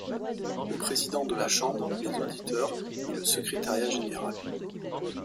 Le Président de la Chambre, les Auditeurs et le Secrétariat Général.